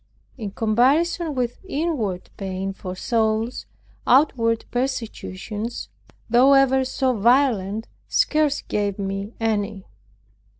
In comparison of inward pain for souls, outward persecutions, though ever so violent, scarce gave me any.